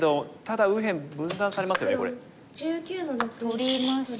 取りまして。